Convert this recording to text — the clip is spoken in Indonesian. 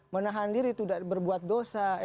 menahan diri tidak berbuat dosa